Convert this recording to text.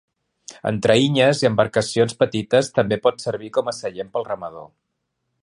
En traïnyes i embarcacions petites també pot servir com a seient pel remador.